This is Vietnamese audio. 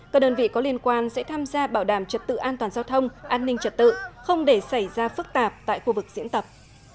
các đơn vị có liên quan sẽ tham gia bảo đảm trật tự an toàn giao thông an ninh trật tự không để xảy ra phức tạp tại khu vực diễn tập